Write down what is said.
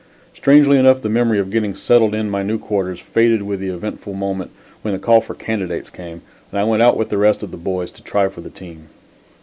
Strangely enough the memory of getting settled in my new quarters faded with the eventful moment when the call for candidates came, and I went out with the rest of the boys to try for the team.